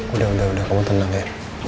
udah udah udah kamu tenang ya